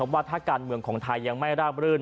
ว่าถ้าการเมืองของไทยยังไม่ราบรื่น